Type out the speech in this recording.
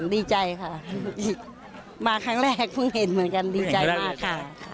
ดีใจค่ะมาครั้งแรกเพิ่งเห็นเหมือนกันดีใจมากค่ะ